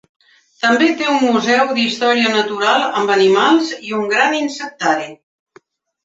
També té un museu d"història natural amb animals i un gran insectari.